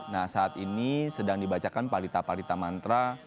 nah saat ini sedang dibacakan palita palita mantra